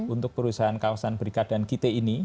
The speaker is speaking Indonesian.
untuk perusahaan kawasan berikat dan kit ini